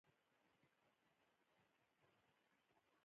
آیا د کبانو شمیر کم نشو؟